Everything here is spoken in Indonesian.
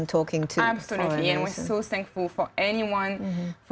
dan kami sangat berterima kasih untuk semua orang